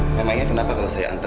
memangnya kenapa kalau saya antar